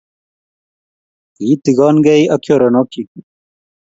Kiitigon kei ak choronokyi